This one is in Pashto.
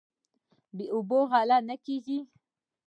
بې اوبو غله نه کیږي.